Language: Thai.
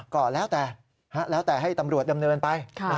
ก่อแล้วแต่ให้ตำรวจดำเนินไป